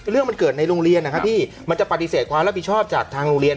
เรื่องมันเกิดในโรงเรียนนะครับพี่มันจะปฏิเสธความรับผิดชอบจากทางโรงเรียน